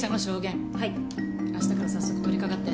明日から早速取りかかって。